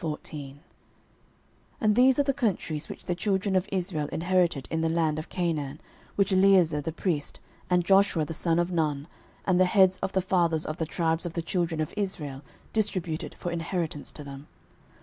06:014:001 And these are the countries which the children of Israel inherited in the land of Canaan, which Eleazar the priest, and Joshua the son of Nun, and the heads of the fathers of the tribes of the children of Israel, distributed for inheritance to them.